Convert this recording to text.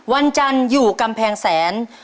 วันจันทร์อยู่กำแพงแสน